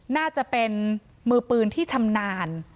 น่าจะเป็นมือปืนที่ชำนาญ